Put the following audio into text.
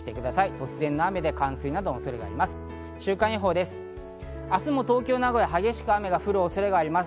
突然の雨で冠水などがある恐れがあります。